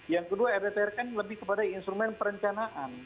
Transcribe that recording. yang kedua rdtr kan lebih kepada instrumen perencanaan